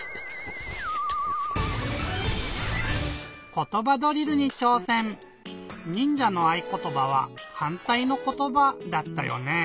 「ことばドリル」にちょうせん！にんじゃのあいことばは「はんたいのことば」だったよね。